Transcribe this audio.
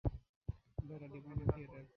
Laura ডিভাইনের theatre.